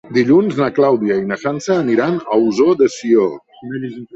Dilluns na Clàudia i na Sança aniran a Ossó de Sió.